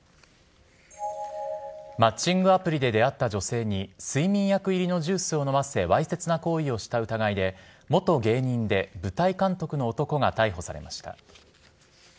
マッチングアプリで出会った女性に、睡眠薬入りのジュースを飲ませ、わいせつな行為をした疑いで、元芸人で舞台監督の男が逮捕されました。